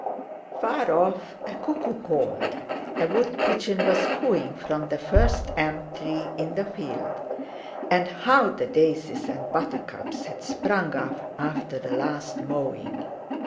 Far off a cuckoo called; a wood pigeon was cooing from the first elm tree in the field, and how the daisies and buttercups had sprung up after the last mowing!